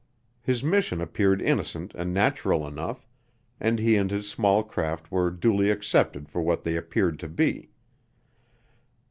His mission appeared innocent and natural enough and he and his small craft were duly accepted for what they appeared to be.